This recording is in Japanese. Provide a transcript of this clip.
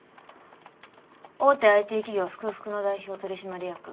大手ＩＴ企業福々の代表取締役福富豊。